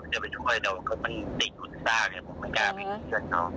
คือแปลงตัวกล่องคลังท่อนเพื่อก็แปลงอยู่ข้างหลังรถ